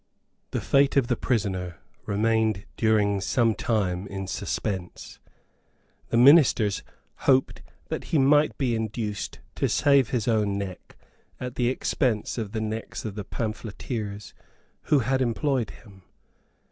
The fate of the prisoner remained during sometime in suspense. The Ministers hoped that he might be induced to save his own neck at the expense of the necks of the pamphleteers who had employed him.